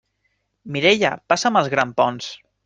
Mireia, passa'm els grampons!